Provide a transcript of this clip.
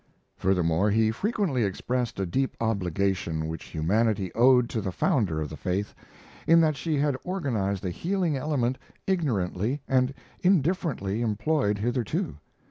Furthermore, he frequently expressed a deep obligation which humanity owed to the founder of the faith, in that she had organized a healing element ignorantly and indifferently employed hitherto.